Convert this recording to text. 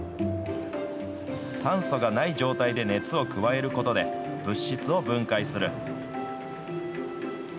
酸素がない状態で熱を加えることで、物質を分解する。